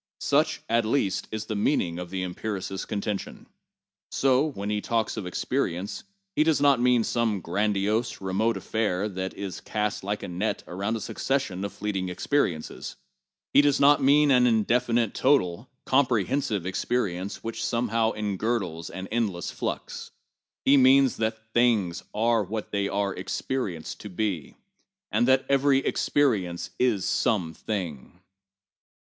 Such, at least, is the meaning of the empiricist's contention. So, when he talks of experience, he does not mean some grandiose, remote affair which is cast like a net around a succession of fleeting experiences; he does not mean an indefinite total, comprehensive experience which some how engirdles an endless flux; he means that things are what they are experienced to be, and that every experience is some thing.